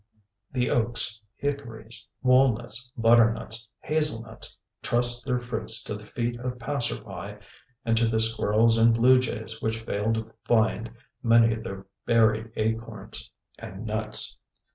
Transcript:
The oaks, hickories, walnuts, butternuts, hazelnuts, trust their fruits to the feet of passersby and to the squirrels and blue jays which fail to find many of their buried acorns and nuts.